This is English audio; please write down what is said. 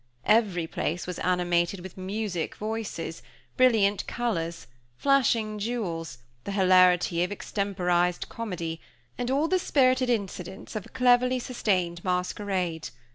Everyplace was animated with music voices, brilliant colors, flashing jewels, the hilarity of extemporized comedy, and all the spirited incidents of a cleverly sustained masquerade.